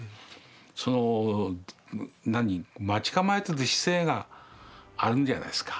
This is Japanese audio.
そのなに待ち構えてる姿勢があるんじゃないですか。